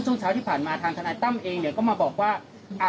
ทางนิตจิเวทย์นะครับก็สามารถนำใบพัดเรือ